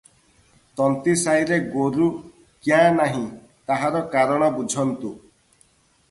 ତନ୍ତୀସାଇରେ ଗୋରୁ କ୍ୟାଁ ନାହିଁ, ତାହାର କାରଣ ବୁଝନ୍ତୁ ।